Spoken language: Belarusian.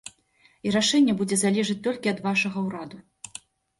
І рашэнне будзе залежыць толькі ад вашага ўраду.